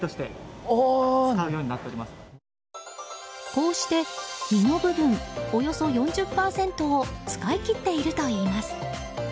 こうして身の部分、およそ４０％を使い切っているといいます。